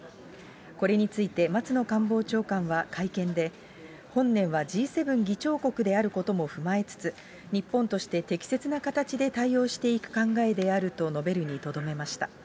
これについて松野官房長官は会見で、本年はＧ７議長国であることも踏まえつつ、日本として適切な形で対応していく考えであると述べるにとどめました。